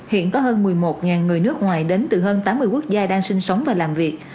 hiện có hơn một mươi một người nước ngoài đến từ hơn tám mươi quốc gia đang sinh sống và làm việc